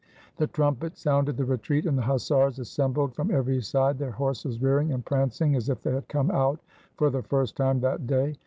The trumpet sounded the retreat, and the hussars assembled from every side, their horses rearing and prancing as if they had come out for the first time that day.